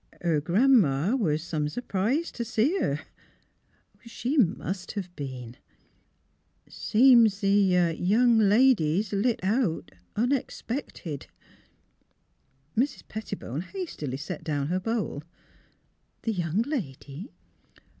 " Her Gran 'ma was some s 'prised t' see her." " She must have been." " Seems th' young lady's lit out, unexpected." Mrs. Pettibone hastily set down her bowl. " The young lady?